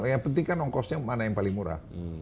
yang penting kan ongkosnya mana yang paling murah